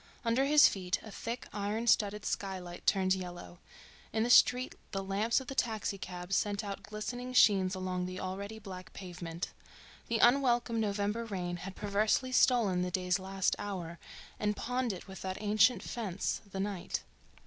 Under his feet a thick, iron studded skylight turned yellow; in the street the lamps of the taxi cabs sent out glistening sheens along the already black pavement. The unwelcome November rain had perversely stolen the day's last hour and pawned it with that ancient fence, the night.